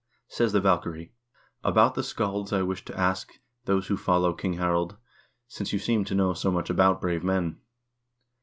Says the valkyrie : About the scalds I wish to ask, those who follow King Harald, since you seem to know so much about brave men.